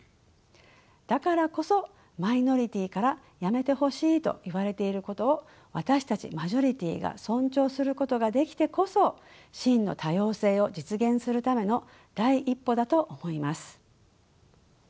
だからこそマイノリティーからやめてほしいと言われていることを私たちマジョリティーが尊重することができてこそ真の多様性を実現するための第一歩だと思います。